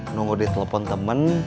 nunggu di telepon temen